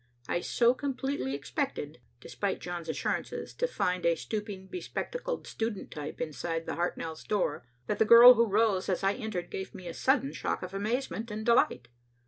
I so completely expected, despite John's assurances, to find a stooping, bespectacled student type inside the Hartnells' door, that the girl who rose as I entered gave me a sudden shock of amazement and delight.